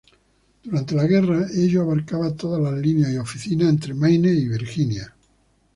Durante la guerra, ello abarcaba todas las líneas y oficinas entre Maine y Virginia.